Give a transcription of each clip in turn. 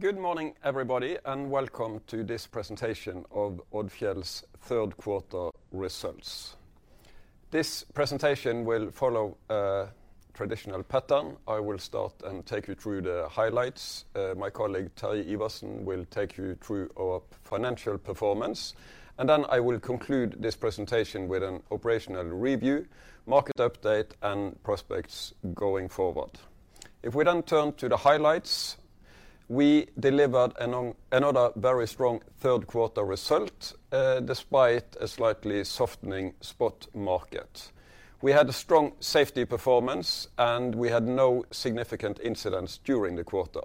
Good m orning, everybody, and welcome to this presentation of Odfjell's third quarter results. This presentation will follow a traditional pattern. I will start and take you through the highlights. My colleague Terje Iversen will take you through our financial performance, and then I will conclude this presentation with an operational review, market update, and prospects going forward. If we then turn to the highlights, we delivered another very strong third quarter result despite a slightly softening spot market. We had a strong safety performance, and we had no significant incidents during the quarter.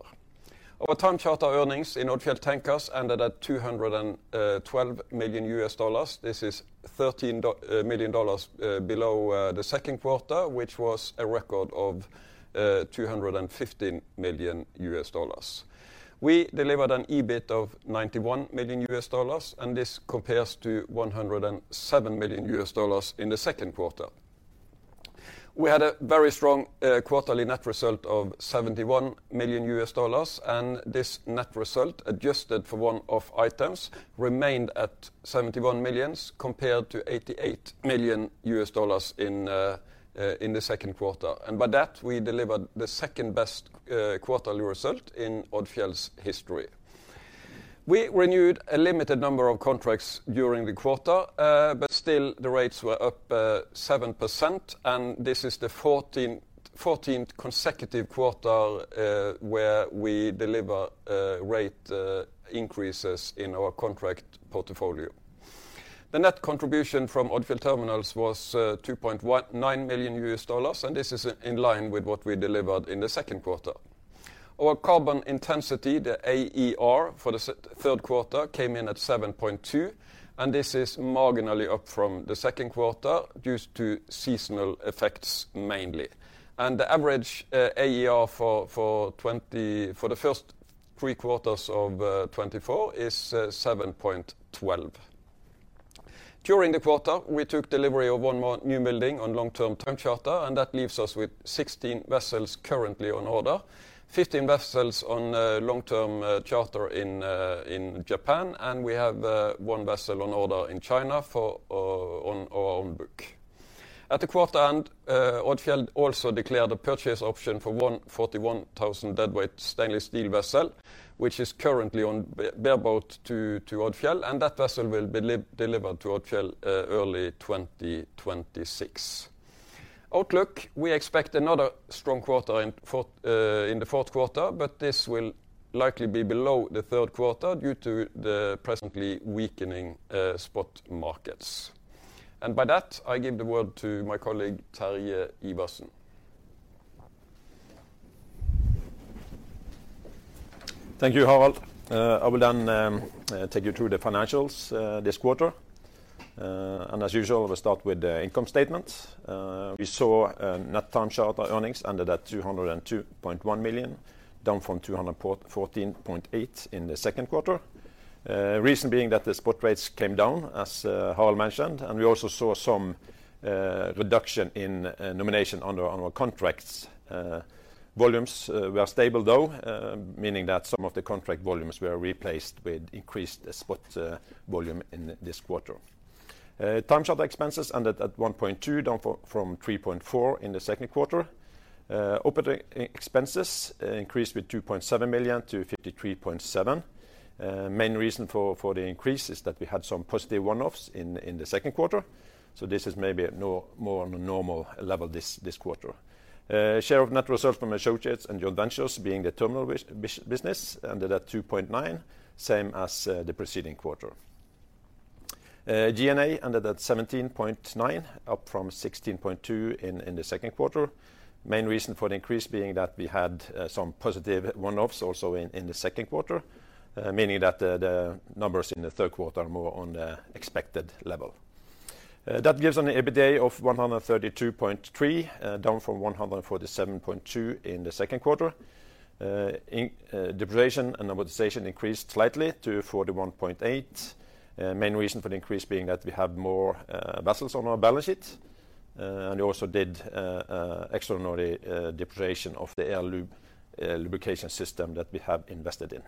Our time charter earnings in Odfjell Tankers ended at $212 million. This is $13 million below the second quarter, which was a record of $215 million. We delivered an EBIT of $91 million, and this compares to $107 million in the second quarter. We had a very strong quarterly net result of $71 million, and this net result, adjusted for one-off items, remained at $71 million compared to $88 million in the second quarter, and by that, we delivered the second-best quarterly result in Odfjell's history. We renewed a limited number of contracts during the quarter, but still, the rates were up 7%, and this is the 14th consecutive quarter where we deliver rate increases in our contract portfolio. The net contribution from Odfjell Terminals was $2.9 million, and this is in line with what we delivered in the second quarter. Our carbon intensity, the AER, for the third quarter came in at 7.2, and this is marginally up from the second quarter due to seasonal effects mainly, and the average AER for the first three quarters of 2024 is 7.12. During the quarter, we took delivery of one more newbuilding on long-term time charter, and that leaves us with 16 vessels currently on order, 15 vessels on long-term charter in Japan, and we have one vessel on order in China for our own book. At the quarter end, Odfjell also declared a purchase option for one 41,000 deadweight stainless steel vessels, which is currently on bareboat to Odfjell, and that vessel will be delivered to Odfjell early 2026. Outlook: We expect another strong quarter in the fourth quarter, but this will likely be below the third quarter due to the presently weakening spot markets, and by that, I give the word to my colleague Terje Iversen. Thank you, Harald. I will then take you through the financials this quarter. And as usual, we'll start with the income statements. We saw net time charter earnings ended at $202.1 million, down from $214.8 million in the second quarter, reason being that the spot rates came down, as Harald mentioned, and we also saw some reduction in nomination under our contracts. Volumes were stable, though, meaning that some of the contract volumes were replaced with increased spot volume in this quarter. Time charter expenses ended at $1.2 million, down from $3.4 million in the second quarter. Operating expenses increased with $2.7 million to $53.7 million. Main reason for the increase is that we had some positive one-offs in the second quarter, so this is maybe more on a normal level this quarter. Share of net result from the associates and joint ventures being the terminal business ended at $2.9 million, same as the preceding quarter. G&A ended at $17.9 million, up from $16.2 million in the second quarter, main reason for the increase being that we had some positive one-offs also in the second quarter, meaning that the numbers in the third quarter are more on the expected level. That gives an EBITDA of $132.3 million, down from $147.2 million in the second quarter. Depreciation and amortization increased slightly to $41.8 million, main reason for the increase being that we have more vessels on our balance sheet, and we also did extraordinary depreciation of the air lubrication system that we have invested in.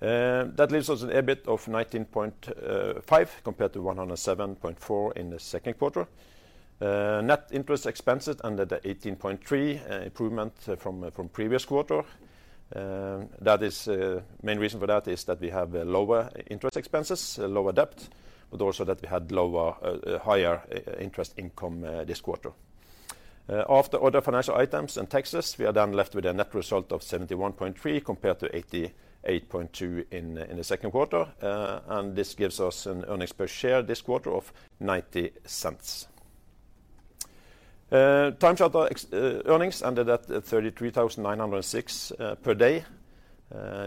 That leaves us an EBIT of $19.5 million compared to $107.4 million in the second quarter. Net interest expenses ended at $18.3 million, improvement from previous quarter. That is, the main reason for that is that we have lower interest expenses, lower debt, but also that we had higher interest income this quarter. After other financial items and taxes, we are then left with a net result of $71.3 million compared to $88.2 million in the second quarter, and this gives us an earnings per share this quarter of $0.90. Time charter earnings ended at $33,906 per day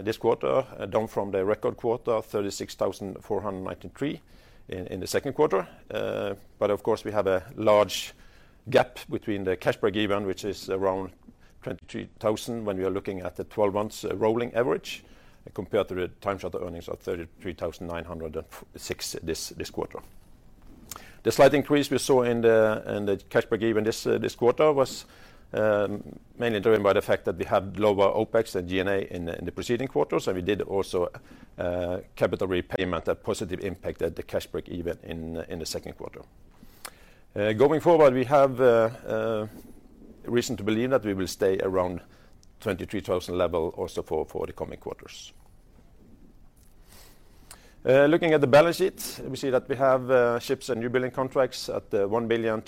this quarter, down from the record quarter of $36,493 in the second quarter, but of course, we have a large gap between the cash breakeven, which is around $22,000 when we are looking at the 12-month rolling average, compared to the time charter earnings of $33,906 this quarter. The slight increase we saw in the cash generated this quarter was mainly driven by the fact that we had lower OpEx and G&A in the preceding quarter, so we did also capital repayment, a positive impact on the cash generated in the second quarter. Going forward, we have a reason to believe that we will stay around $23,000 level also for the coming quarters. Looking at the balance sheet, we see that we have ships and newbuilding contracts at $1.2 billion.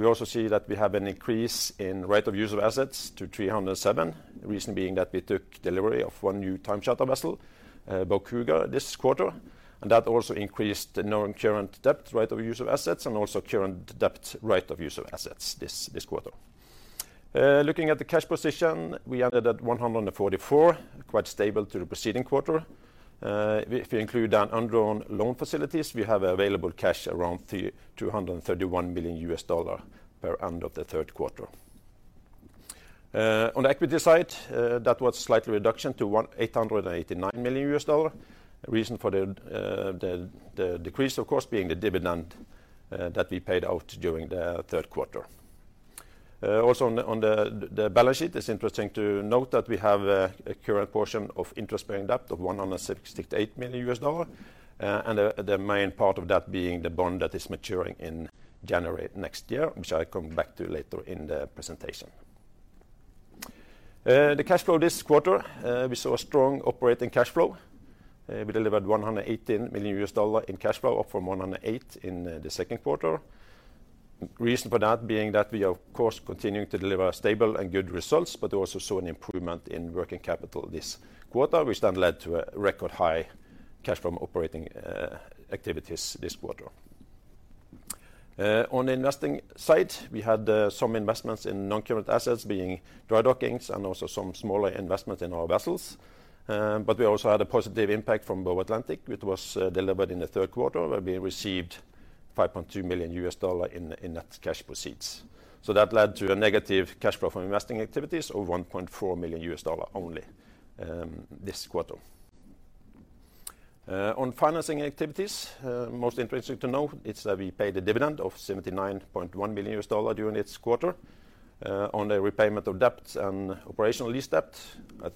We also see that we have an increase in right-of-use assets to $307 million, reason being that we took delivery of one new time charter vessel, Bow Cougar, this quarter, and that also increased the non-current debt right-of-use assets and also current debt right-of-use assets this quarter. Looking at the cash position, we ended at $144 million, quite stable to the preceding quarter. If you include undrawn loan facilities, we have available cash around $231 million at end of the third quarter. On the equity side, that was a slight reduction to $889 million, reason for the decrease, of course, being the dividend that we paid out during the third quarter. Also, on the balance sheet, it's interesting to note that we have a current portion of interest-bearing debt of $168 million, and the main part of that being the bond that is maturing in January next year, which I'll come back to later in the presentation. The cash flow this quarter, we saw a strong operating cash flow. We delivered $118 million in cash flow, up from $108 million in the second quarter, reason for that being that we are, of course, continuing to deliver stable and good results, but also saw an improvement in working capital this quarter, which then led to a record high cash flow operating activities this quarter. On the investing side, we had some investments in non-current assets being dry dockings and also some smaller investments in our vessels, but we also had a positive impact from Bow Atlantic, which was delivered in the third quarter, where we received $5.2 million in net cash proceeds. So that led to a negative cash flow from investing activities of $1.4 million only this quarter. On financing activities, most interesting to note is that we paid a dividend of $79.1 million during this quarter. On the repayment of debts and operational lease debt,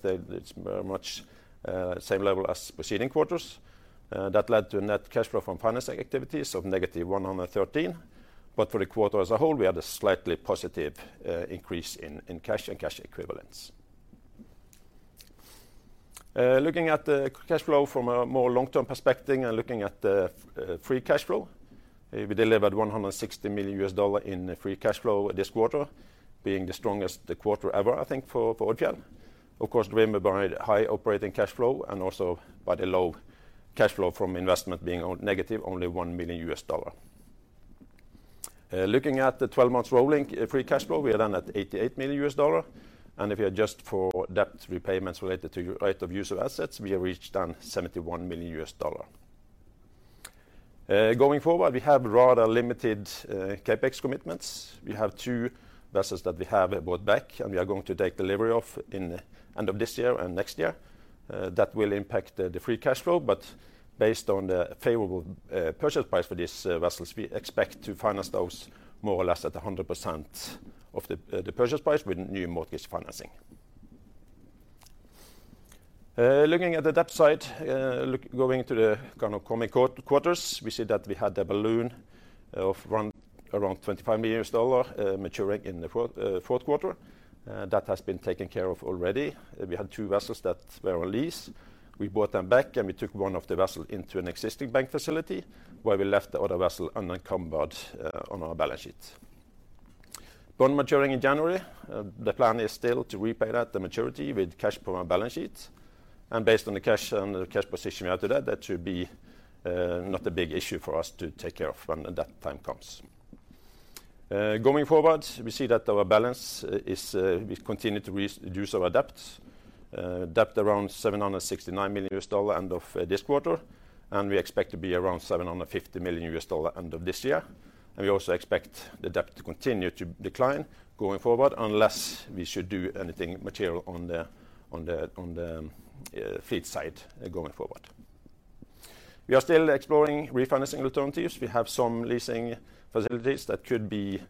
it's very much the same level as preceding quarters. That led to a net cash flow from financing activities of -$113 million, but for the quarter as a whole, we had a slightly positive increase in cash and cash equivalents. Looking at the cash flow from a more long-term perspective and looking at the free cash flow, we delivered $160 million in free cash flow this quarter, being the strongest quarter ever, I think, for Odfjell. Of course, driven by high operating cash flow and also by the low cash flow from investment being only -$1 million. Looking at the 12-month rolling free cash flow, we are then at $88 million, and if you adjust for debt repayments related to right of use of assets, we have reached then $71 million. Going forward, we have rather limited CapEx commitments. We have two vessels that we have bought back, and we are going to take delivery of in the end of this year and next year. That will impact the free cash flow, but based on the favorable purchase price for these vessels, we expect to finance those more or less at 100% of the purchase price with new mortgage financing. Looking at the debt side, going to the coming quarters, we see that we had a balloon of around $25 million maturing in the fourth quarter. That has been taken care of already. We had two vessels that were on lease. We bought them back, and we took one of the vessels into an existing bank facility, where we left the other vessel unencumbered on our balance sheet. Bond maturing in January. The plan is still to repay that, the maturity, with cash from our balance sheet. And based on the cash and the cash position we have today, that should be not a big issue for us to take care of when that time comes. Going forward, we see that our balance is we continue to reduce our debt around $769 million end of this quarter, and we expect to be around $750 million end of this year. And we also expect the debt to continue to decline going forward unless we should do anything material on the fleet side going forward. We are still exploring refinancing alternatives. We have some leasing facilities that could be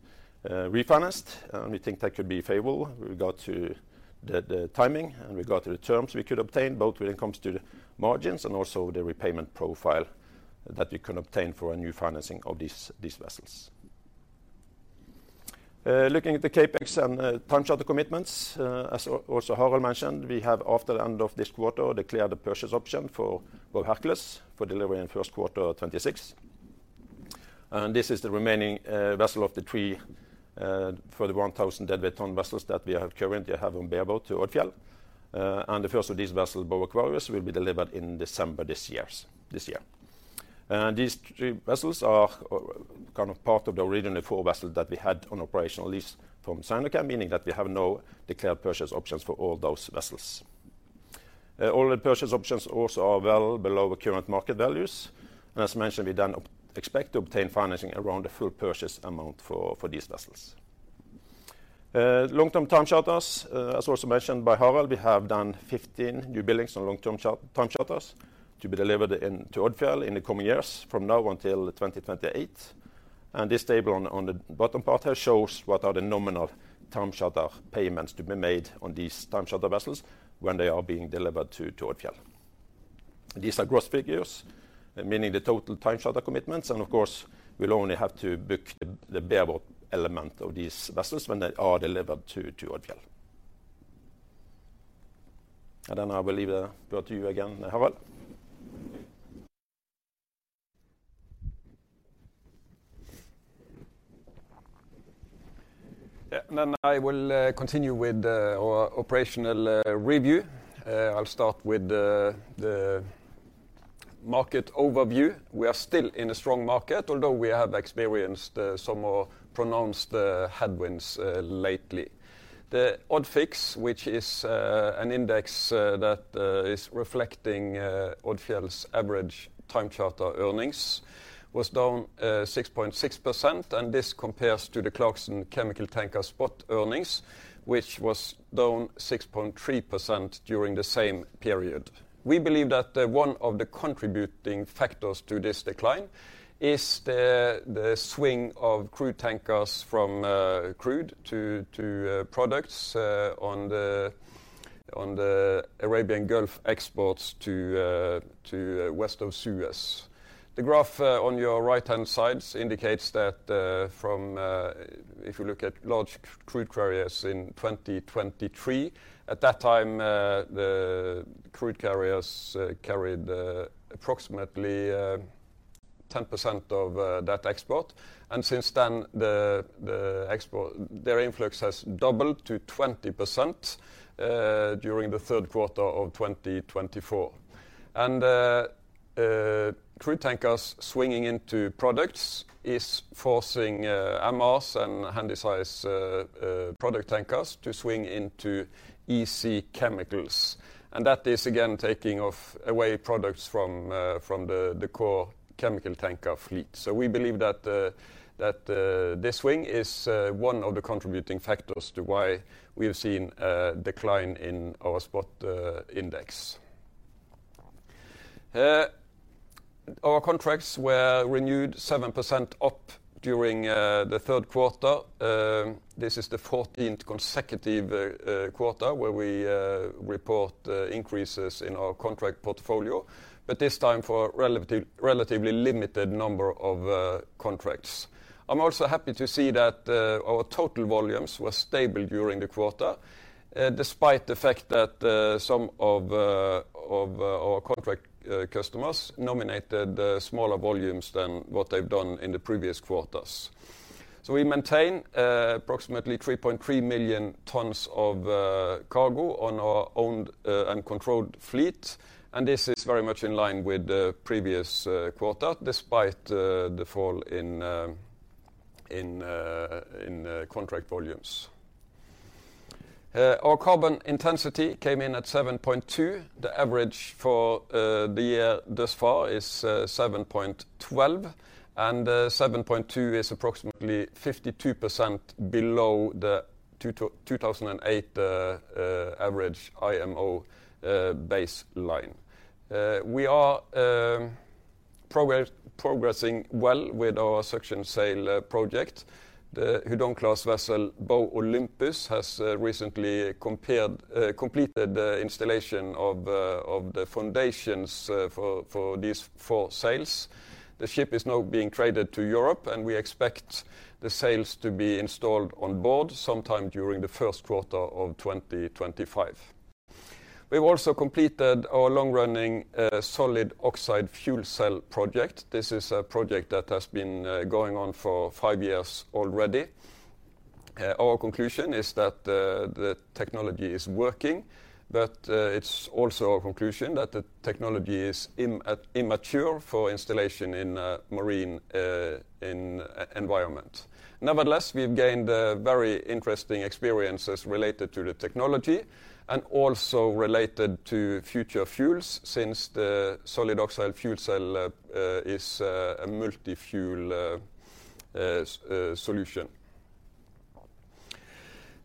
refinanced, and we think that could be favorable with regard to the timing and with regard to the terms we could obtain, both when it comes to the margins and also the repayment profile that we could obtain for a new financing of these vessels. Looking at the CapEx and time charter commitments, as also Harald mentioned, we have, after the end of this quarter, declared a purchase option for Bow Hercules for delivery in first quarter 2026, and this is the remaining vessel of the three 41,000 deadweight ton vessels that we currently have on bareboat to Odfjell, and the first of these vessels, Bow Aquarius, will be delivered in December this year. These three vessels are kind of part of the original four vessels that we had on operational lease from Sinochem, meaning that we have no declared purchase options for all those vessels. All the purchase options also are well below current market values. And as mentioned, we then expect to obtain financing around the full purchase amount for these vessels. Long-term time charters, as also mentioned by Harald, we have done 15 new buildings on long-term time charters to be delivered to Odfjell in the coming years from now until 2028. And this table on the bottom part here shows what are the nominal time charter payments to be made on these time charter vessels when they are being delivered to Odfjell. These are gross figures, meaning the total time charter commitments, and of course, we'll only have to book the bareboat element of these vessels when they are delivered to Odfjell, and then I will leave the word to you again, Harald? Then I will continue with operational review. I'll start with the market overview. We are still in a strong market, although we have experienced some more pronounced headwinds lately. The Odfix, which is an index that is reflecting Odfjell's average time charter earnings, was down 6.6%, and this compares to the Clarkson Chemical Tanker Spot earnings, which was down 6.3% during the same period. We believe that one of the contributing factors to this decline is the swing of crude tankers from crude to products on the Arabian Gulf exports to west of Suez. The graph on your right-hand side indicates that if you look at large crude carriers in 2023, at that time, the crude carriers carried approximately 10% of that export, and since then, their influx has doubled to 20% during the third quarter of 2024, and crude tankers swinging into products is forcing MRs and handy-sized product tankers to swing into easy chemicals, and that is, again, taking away products from the core chemical tanker fleet, so we believe that this swing is one of the contributing factors to why we've seen a decline in our spot index. Our contracts were renewed 7% up during the third quarter. This is the 14th consecutive quarter where we report increases in our contract portfolio, but this time for a relatively limited number of contracts. I'm also happy to see that our total volumes were stable during the quarter, despite the fact that some of our contract customers nominated smaller volumes than what they've done in the previous quarters. So we maintain approximately 3.3 million tons of cargo on our owned and controlled fleet, and this is very much in line with the previous quarter, despite the fall in contract volumes. Our carbon intensity came in at 7.2. The average for the year thus far is 7.12, and 7.2 is approximately 52% below the 2008 average IMO baseline. We are progressing well with our suction sail project. The Hudong class vessel Bow Olympus has recently completed the installation of the foundations for these four sails. The ship is now being traded to Europe, and we expect the sails to be installed on board sometime during the first quarter of 2025. We've also completed our long-running solid oxide fuel cell project. This is a project that has been going on for five years already. Our conclusion is that the technology is working, but it's also our conclusion that the technology is immature for installation in a marine environment. Nevertheless, we've gained very interesting experiences related to the technology and also related to future fuels since the solid oxide fuel cell is a multi-fuel solution.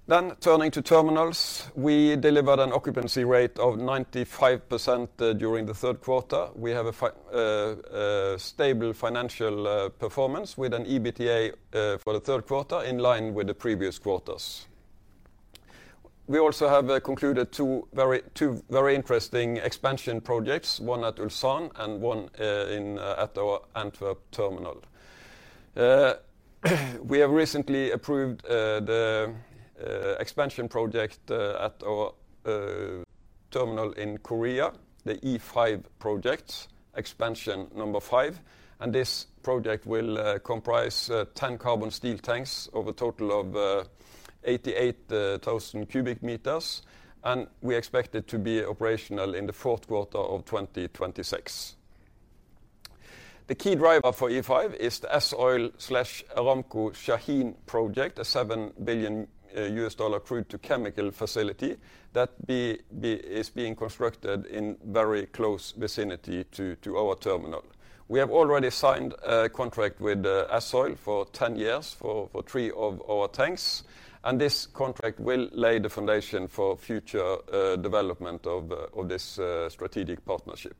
Then, turning to terminals, we delivered an occupancy rate of 95% during the third quarter. We have a stable financial performance with an EBITDA for the third quarter in line with the previous quarters. We also have concluded two very interesting expansion projects, one at Ulsan and one at our Antwerp terminal. We have recently approved the expansion project at our terminal in Korea, the E5 project, expansion number five. And this project will comprise 10 carbon steel tanks of a total of 88,000 cu m, and we expect it to be operational in the fourth quarter of 2026. The key driver for E5 is the S-OIL/Aramco Shaheen project, a $7 billion crude-to-chemical facility that is being constructed in very close vicinity to our terminal. We have already signed a contract with S-OIL for 10 years for three of our tanks, and this contract will lay the foundation for future development of this strategic partnership.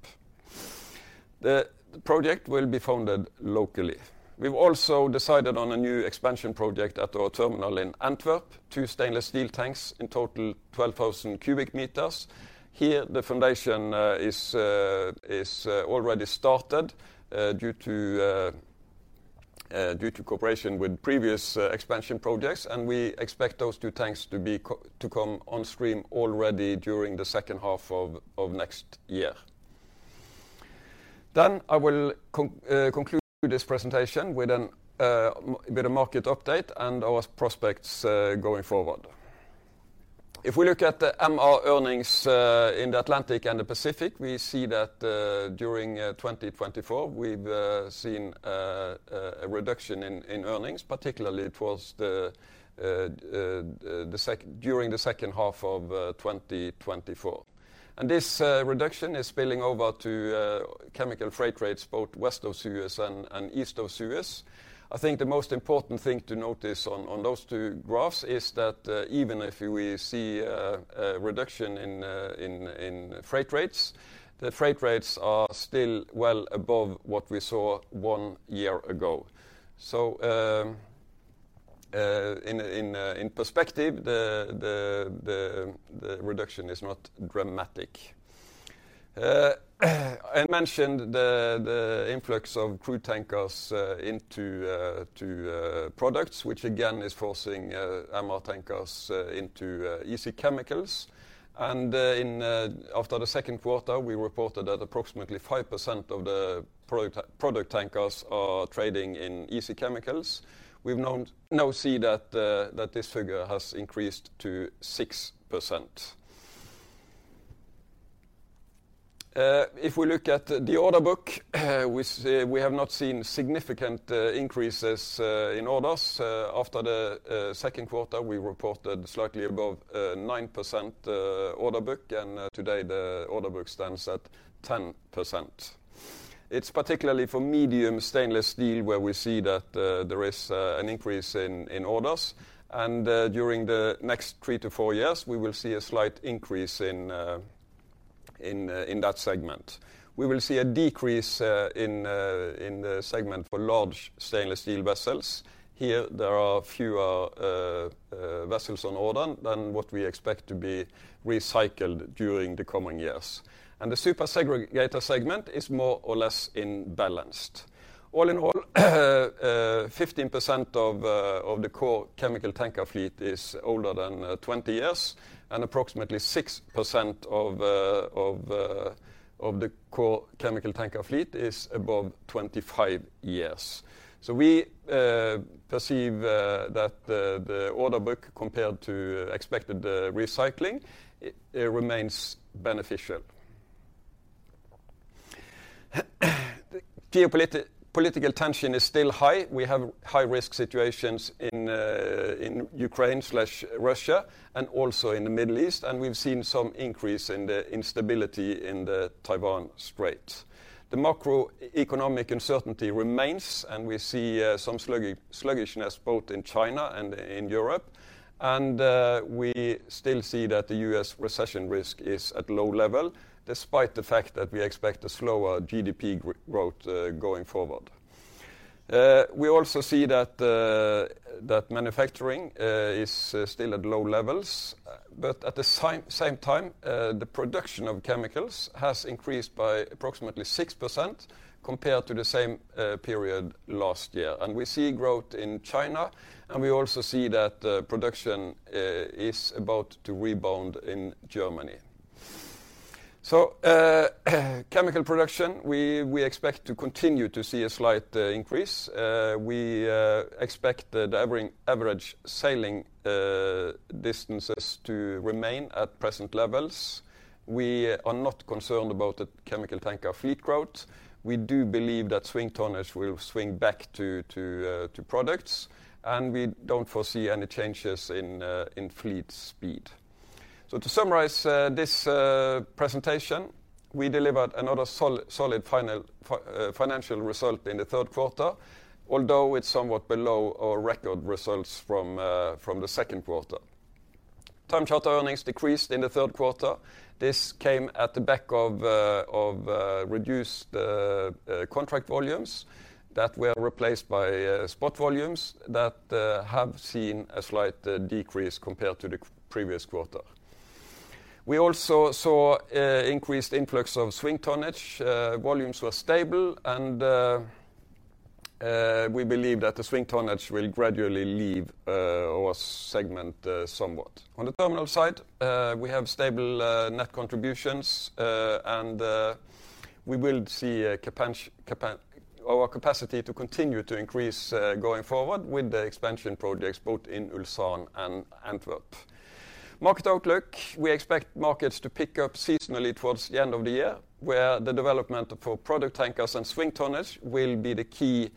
The project will be funded locally. We've also decided on a new expansion project at our terminal in Antwerp, two stainless steel tanks in total 12,000 cu m. Here, the foundation is already started due to cooperation with previous expansion projects, and we expect those two tanks to come on stream already during the second half of next year. Then, I will conclude this presentation with a market update and our prospects going forward. If we look at the MR earnings in the Atlantic and the Pacific, we see that during 2024, we've seen a reduction in earnings, particularly during the second half of 2024. And this reduction is spilling over to chemical freight rates, both west of Suez and east of Suez. I think the most important thing to notice on those two graphs is that even if we see a reduction in freight rates, the freight rates are still well above what we saw one year ago. So, in perspective, the reduction is not dramatic. I mentioned the influx of crude tankers into products, which again is forcing MR tankers into easy chemicals. And after the second quarter, we reported that approximately 5% of the product tankers are trading in easy chemicals. We now see that this figure has increased to 6%. If we look at the order book, we have not seen significant increases in orders. After the second quarter, we reported slightly above 9% order book, and today the order book stands at 10%. It's particularly for medium stainless steel where we see that there is an increase in orders. And during the next three to four years, we will see a slight increase in that segment. We will see a decrease in the segment for large stainless steel vessels. Here, there are fewer vessels on order than what we expect to be recycled during the coming years. And the super segregator segment is more or less in balance. All in all, 15% of the core chemical tanker fleet is older than 20 years, and approximately 6% of the core chemical tanker fleet is above 25 years. So we perceive that the order book compared to expected recycling remains beneficial. Geopolitical tension is still high. We have high-risk situations in Ukraine/Russia and also in the Middle East, and we've seen some increase in the instability in the Taiwan Strait. The macroeconomic uncertainty remains, and we see some sluggishness both in China and in Europe. And we still see that the U.S. recession risk is at low level, despite the fact that we expect a slower GDP growth going forward. We also see that manufacturing is still at low levels, but at the same time, the production of chemicals has increased by approximately 6% compared to the same period last year. And we see growth in China, and we also see that production is about to rebound in Germany. So chemical production, we expect to continue to see a slight increase. We expect the average sailing distances to remain at present levels. We are not concerned about the chemical tanker fleet growth. We do believe that swing tonnage will swing back to products, and we don't foresee any changes in fleet speed. So to summarize this presentation, we delivered another solid financial result in the third quarter, although it's somewhat below our record results from the second quarter. Time charter earnings decreased in the third quarter. This came at the back of reduced contract volumes that were replaced by spot volumes that have seen a slight decrease compared to the previous quarter. We also saw increased influx of swing tonnage. Volumes were stable, and we believe that the swing tonnage will gradually leave our segment somewhat. On the terminal side, we have stable net contributions, and we will see our capacity to continue to increase going forward with the expansion projects both in Ulsan and Antwerp. Market outlook, we expect markets to pick up seasonally towards the end of the year, where the development for product tankers and swing tonnage will be the key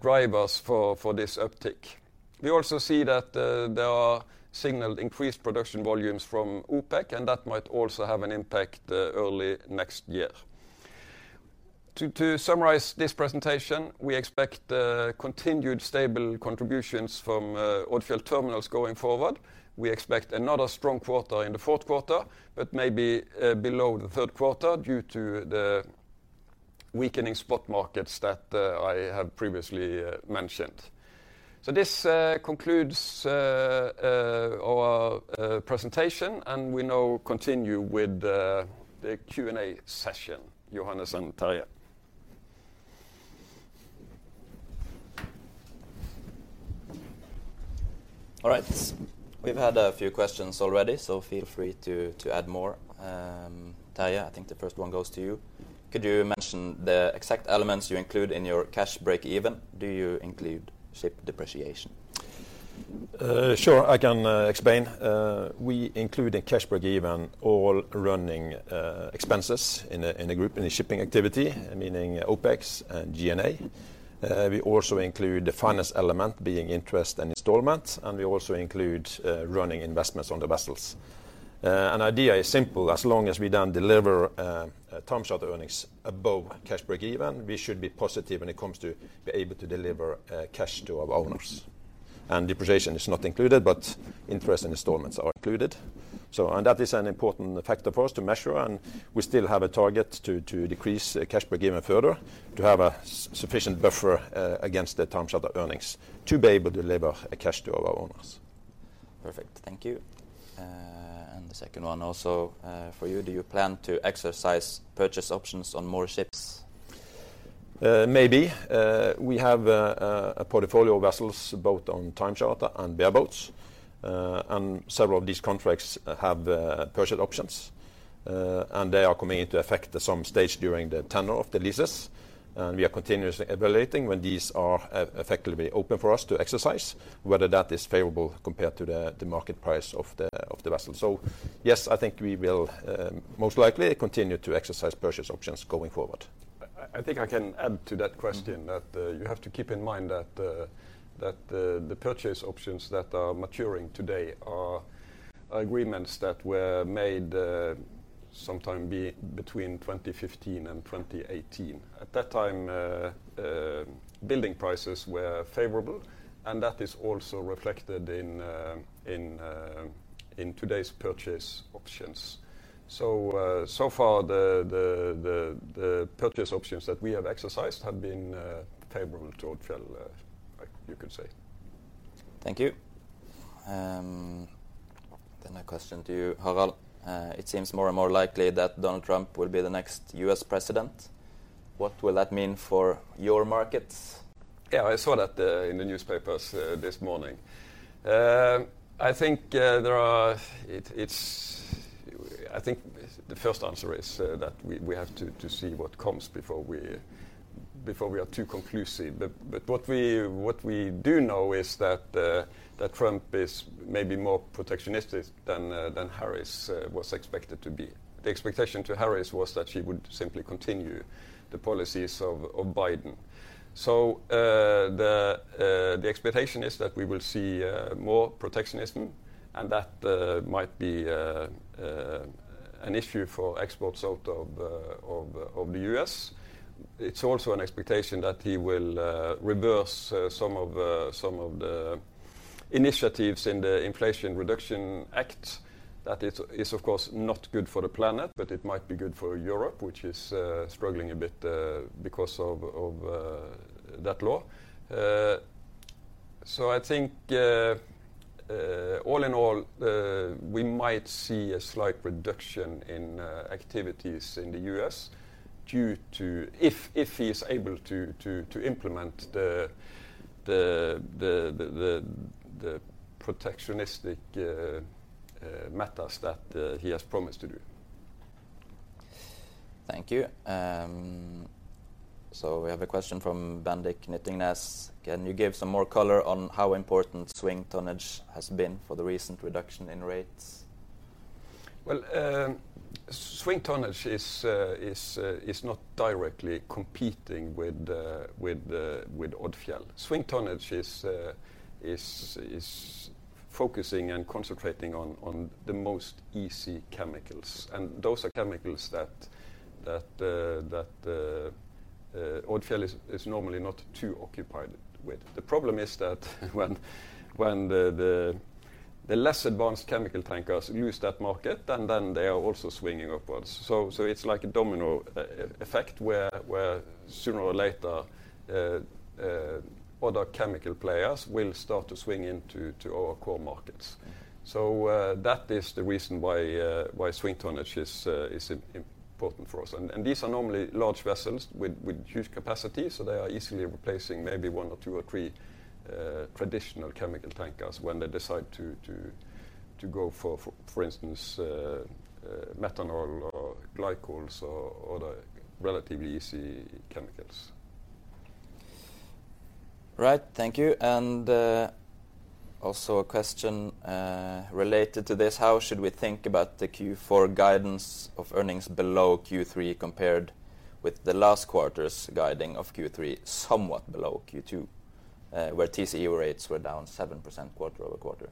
drivers for this uptick. We also see that there are signaled increased production volumes from OPEC, and that might also have an impact early next year. To summarize this presentation, we expect continued stable contributions from Odfjell Terminals going forward. We expect another strong quarter in the fourth quarter, but maybe below the third quarter due to the weakening spot markets that I have previously mentioned. So this concludes our presentation, and we now continue with the Q&A session. Johannes and Terje. All right. We've had a few questions already, so feel free to add more. Terje, I think the first one goes to you. Could you mention the exact elements you include in your cash break-even? Do you include ship depreciation? Sure, I can explain. We include in cash break-even all running expenses in the shipping activity, meaning OpEx and G&A. We also include the finance element being interest and installments, and we also include running investments on the vessels. And the idea is simple. As long as we don't deliver term charter earnings above cash break-even, we should be positive when it comes to being able to deliver cash to our owners. And depreciation is not included, but interest and installments are included. And that is an important factor for us to measure, and we still have a target to decrease cash break-even further to have a sufficient buffer against the term charter earnings to be able to deliver cash to our owners. Perfect. Thank you. And the second one also for you. Do you plan to exercise purchase options on more ships? Maybe. We have a portfolio of vessels, both on time charter and bareboat, and several of these contracts have purchase options, and they are coming into effect at some stage during the tenor of the leases. And we are continuously evaluating when these are effectively open for us to exercise, whether that is favorable compared to the market price of the vessel. So yes, I think we will most likely continue to exercise purchase options going forward. I think I can add to that question that you have to keep in mind that the purchase options that are maturing today are agreements that were made sometime between 2015 and 2018. At that time, building prices were favorable, and that is also reflected in today's purchase options. So far, the purchase options that we have exercised have been favorable to Odfjell, you could say. Thank you. Then a question to you, Harald. It seems more and more likely that Donald Trump will be the next U.S. president. What will that mean for your markets? Yeah, I saw that in the newspapers this morning. I think the first answer is that we have to see what comes before we are too conclusive. But what we do know is that Trump is maybe more protectionist than Harris was expected to be. The expectation to Harris was that she would simply continue the policies of Biden. So the expectation is that we will see more protectionism, and that might be an issue for exports out of the U.S. It's also an expectation that he will reverse some of the initiatives in the Inflation Reduction Act that is, of course, not good for the planet, but it might be good for Europe, which is struggling a bit because of that law. So I think all in all, we might see a slight reduction in activities in the U.S. if he is able to implement the protectionistic methods that he has promised to do. Thank you. So we have a question from Bendik Nøttingnes. Can you give some more color on how important swing tonnage has been for the recent reduction in rates? Well, swing tonnage is not directly competing with Odfjell. Swing tonnage is focusing and concentrating on the most easy chemicals, and those are chemicals that Odfjell is normally not too occupied with. The problem is that when the less advanced chemical tankers lose that market, then they are also swinging upwards. So it's like a domino effect where sooner or later other chemical players will start to swing into our core markets. So that is the reason why swing tonnage is important for us. And these are normally large vessels with huge capacity, so they are easily replacing maybe one or two or three traditional chemical tankers when they decide to go for, for instance, methanol or glycols or other relatively easy chemicals. Right. Thank you. And also a question related to this. How should we think about the Q4 guidance of earnings below Q3 compared with the last quarter's guiding of Q3, somewhat below Q2, where TCE rates were down 7% quarter-over-quarter?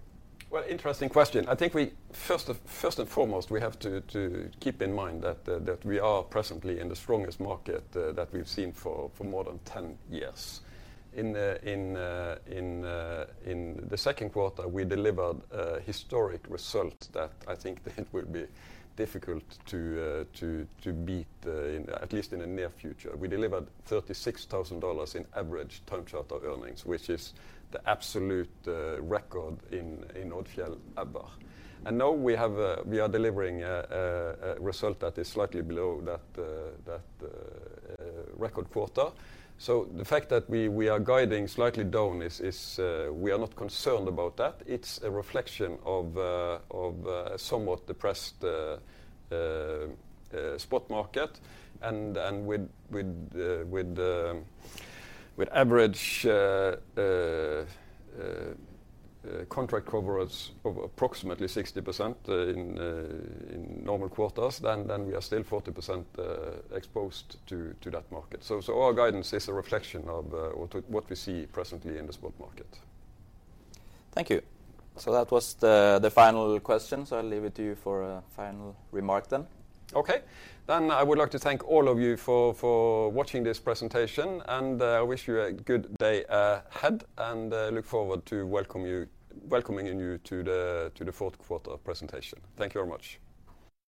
Interesting question. I think first and foremost, we have to keep in mind that we are presently in the strongest market that we've seen for more than 10 years. In the second quarter, we delivered a historic result that I think it will be difficult to beat, at least in the near future. We delivered $36,000 in average term charter earnings, which is the absolute record in Odfjell ever. Now we are delivering a result that is slightly below that record quarter. The fact that we are guiding slightly down is we are not concerned about that. It's a reflection of somewhat depressed spot market. With average contract coverage of approximately 60% in normal quarters, then we are still 40% exposed to that market. Our guidance is a reflection of what we see presently in the spot market. Thank you. That was the final question, so I'll leave it to you for a final remark then. Okay. I would like to thank all of you for watching this presentation, and I wish you a good day ahead and look forward to welcoming you to the fourth quarter presentation. Thank you very much.